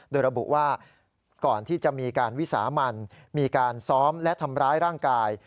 โดยระบุว่าก่อนที่จะมีการวิสามันมีการซ้อมและทำร้ายร่างกาย